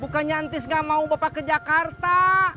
bukannya intis gak mau bapak ke jakarta